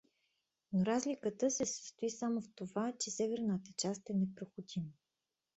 Но разликата се състои само в това, че северната част е непроходима.